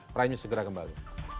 prime news segera kembali